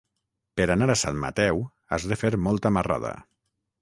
Per anar a Sant Mateu has de fer molta marrada.